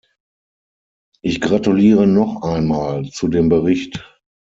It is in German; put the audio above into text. Ich gratuliere noch einmal zu dem Bericht.